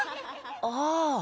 ああ。